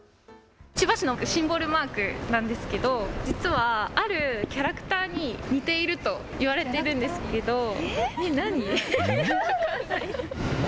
千葉市のシンボルマークなんですけれど実はあるキャラクターに似ていると言われているんですけれど。